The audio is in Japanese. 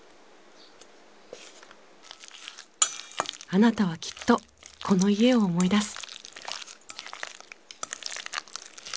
あなたはきっとこの家を思い出す。